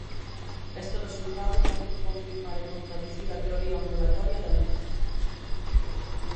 Este resultado parece confirmar e contradicir a teoría ondulatoria da luz.